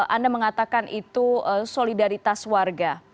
anda mengatakan itu solidaritas warga